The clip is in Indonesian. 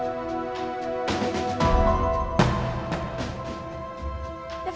dari siapaian itu ayahnya climax